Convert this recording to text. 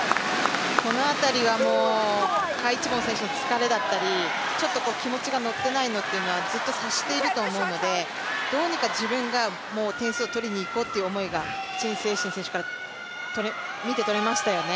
この辺りは賈一凡選手の疲れだったり、ちょっと気持ちが乗っていないというのはずっと察していると思うので、どうにか自分が点数を取りにいこうという思いが陳清晨選手から見て取れましたよね。